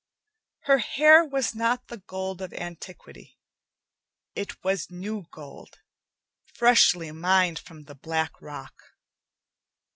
Her hair was not the gold of antiquity; it was new gold, freshly mined from the black rock.